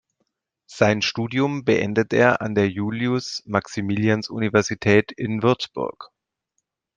Sein Studium beendete er an der Julius-Maximilians-Universität in Würzburg.